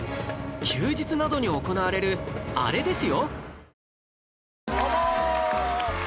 休日などに行われるあれですよ